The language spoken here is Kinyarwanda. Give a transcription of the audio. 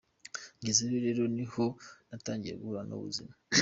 Ngezeyo rero niho natangiye guhura n’ubuzima